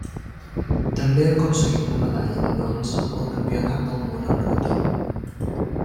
També aconseguí una medalla de bronze al Campionat del Món en Ruta.